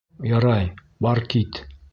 Ярай, бар кит!